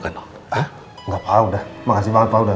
tapi pat dispiarda